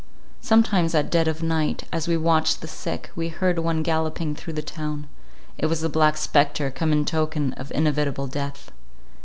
Sometimes at dead of night, as we watched the sick, we heard one galloping through the town; it was the Black Spectre come in token of inevitable death.